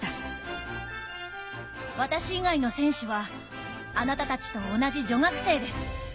私以外の選手はあなたたちと同じ女学生です。